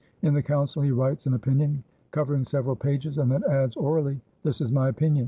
In the council he writes an opinion covering several pages and then adds orally: "This is my opinion.